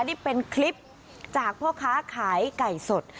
นี่เป็นคลิปจากพ่อค้าขายไก่สด